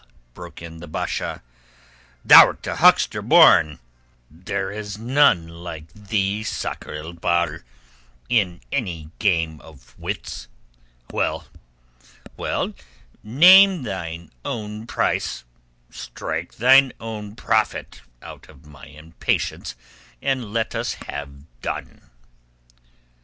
broke in the Basha. "Thou'rt a huckster born. There is none like thee, Sakr el Bahr, in any game of wits. Well, well, name thine own price, strike thine own profit out of my impatience and let us have done."